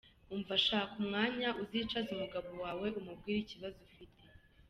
Umva shaka umwanya uzicaze umugabo wawe umubwire ikibazo uft.